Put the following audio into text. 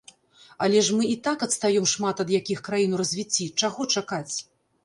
Але ж мы і так адстаём шмат ад якіх краін у развіцці, чаго чакаць?